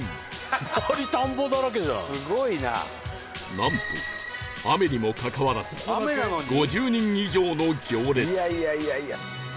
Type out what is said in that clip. なんと雨にもかかわらず５０人以上の行列！